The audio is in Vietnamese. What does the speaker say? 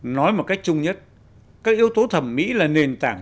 nói một cách chung nhất các yếu tố thẩm mỹ là nền tảng